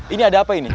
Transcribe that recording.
ini ada apa ini